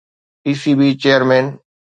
P C B chairman